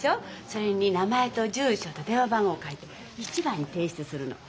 それに名前と住所と電話番号書いて１番に提出するの。